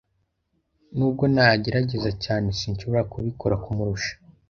Nubwo nagerageza cyane, sinshobora kubikora kumurusha.